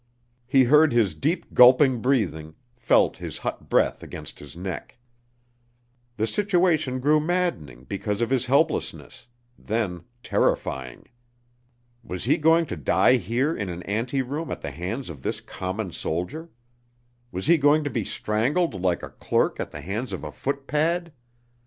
He heard his deep gulping breathing, felt his hot breath against his neck. The situation grew maddening because of his helplessness, then terrifying. Was he going to die here in an anteroom at the hands of this common soldier? Was he going to be strangled like a clerk at the hands of a footpad?